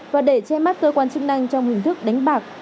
và để che mắt cơ quan chức năng trong hình thức đánh bạc